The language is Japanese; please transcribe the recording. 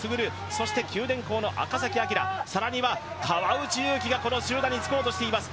そして、九電工の赤崎暁更には川内優輝がこの集団につこうとしています。